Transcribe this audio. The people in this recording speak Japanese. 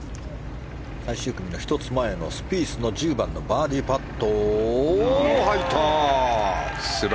最終組の１つ前のスピースのバーディーパット。